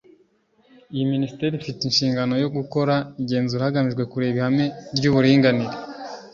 iyi minisiteri ifite inshingano yo gukora igenzura hagamijwe kureba ihame ry'uburinganire